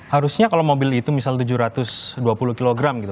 harusnya kalau mobil itu misal tujuh ratus dua puluh kg gitu